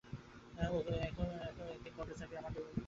ওগো, একদিন কণ্ঠ চাপিয়া আমার দেবতা এই কথাটা আমাকে বলাইয়া লইবে।